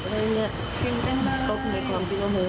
เออเดี๋ยวไปตายซะเขาก็ว่าอย่างนี้